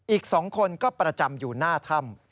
อีก๒คนก็ประจำอยู่หน้าถ้ำ